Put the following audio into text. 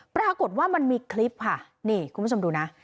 ปรากฏว่ามันมีคลิปค่ะนี่คุณผู้ชมดูนะ